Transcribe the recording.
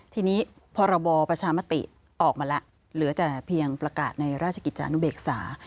ทีนี้พรบประชามติออกมาแล้วเหลือแต่เพียงประกาศในราชกิจจานุเบกษา